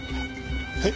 はい。